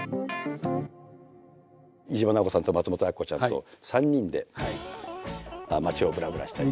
飯島直子さんと松本明子ちゃんと３人で街をぶらぶらしたり。